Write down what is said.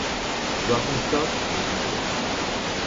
Rosenstock is married.